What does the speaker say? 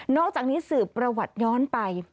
อกจากนี้สืบประวัติย้อนไป